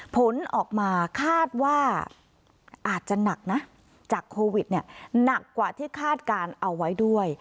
ผลออกมาคาดว่าอาจจะหนักนะจากโควิดหนักกว่าที่คาดการณ์เอาไว้ด้วย